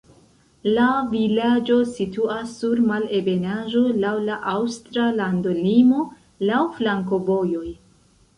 La vilaĝo situas sur malebenaĵo, laŭ la aŭstra landolimo, laŭ flankovojoj.